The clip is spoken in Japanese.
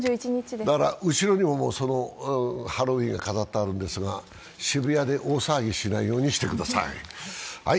後ろにもハロウィーン飾っていますが、渋谷で大騒ぎしないようにしてください。